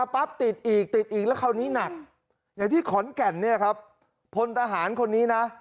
ปั๊บติดอีกติดอีกแล้วคราวนี้หนักอย่างที่ขอนแก่นเนี่ยครับพลทหารคนนี้นะ